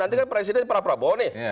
nanti kan presidennya pra praboh nih